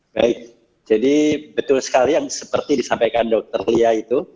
baik jadi betul sekali yang seperti disampaikan dokter lia itu